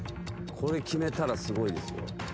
これ決めたらすごいです。